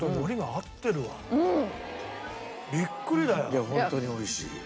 いやホントに美味しい。